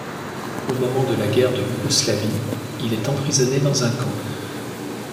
Au moment de la guerre de Yougoslavie, il est emprisonné dans un camp.